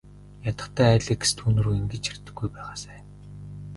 Ядахдаа Алекс түүнрүү ингэж ширтэхгүй байгаасай.